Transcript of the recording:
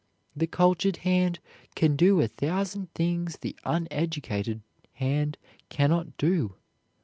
The cultured hand can do a thousand things the uneducated hand can not do.